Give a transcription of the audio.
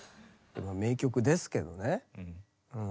名曲ですけどねうん。